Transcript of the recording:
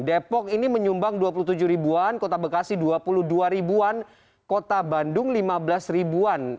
depok ini menyumbang dua puluh tujuh ribuan kota bekasi dua puluh dua ribu an kota bandung lima belas ribuan